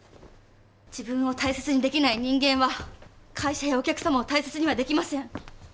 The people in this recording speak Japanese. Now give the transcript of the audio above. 自分を大切にできない人間は会社やお客様を大切にはできません。